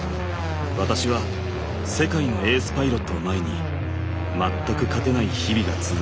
私は世界のエースパイロットを前に全く勝てない日々が続いていました。